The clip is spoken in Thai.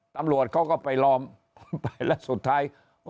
ตำรวจเขาก็ไปล้อมไปแล้วสุดท้าย